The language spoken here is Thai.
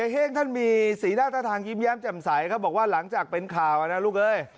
แห้งท่านมีสีหน้าท่าทางยิ้มแย้มแจ่มใสเขาบอกว่าหลังจากเป็นข่าวนะลูกเอ้ย